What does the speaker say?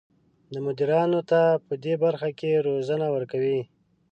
دا مدیرانو ته پدې برخه کې روزنه ورکوي.